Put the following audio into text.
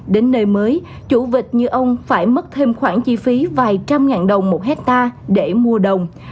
đến nơi mới chủ tịch như ông phải mất thêm khoản chi phí vài trăm ngàn đồng một hectare để mua đồng